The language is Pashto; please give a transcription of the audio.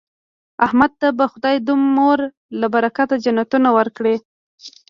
احمد ته به خدای د مور له برکته جنتونه ورکړي.